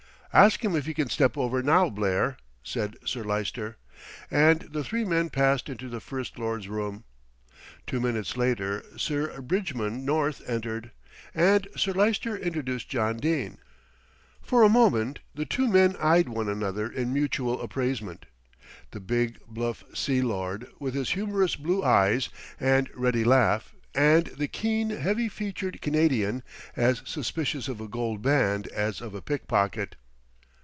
"Ask him if he can step over now, Blair," said Sir Lyster, and the three men passed into the First Lord's room. Two minutes later Sir Bridgman North entered, and Sir Lyster introduced John Dene. For a moment the two men eyed one another in mutual appraisement; the big, bluff Sea Lord, with his humorous blue eyes and ready laugh, and the keen, heavy featured Canadian, as suspicious of a gold band as of a pickpocket.